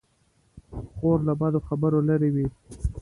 خور له بدو خبرو لیرې وي.